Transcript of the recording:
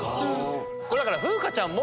だから風花ちゃんも。